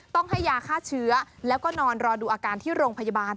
ต้องให้ยาฆ่าเชื้อแล้วก็นอนรอดูอาการที่โรงพยาบาล